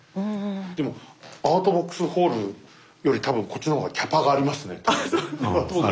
でもアートボックスホールより多分こっちのほうがキャパがありますね多分ね。